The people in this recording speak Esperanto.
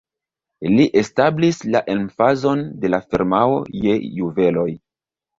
Li establis la emfazon de la firmao je juveloj.